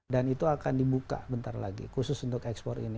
dan itu akan dibuka bentar lagi khusus untuk ekspor ini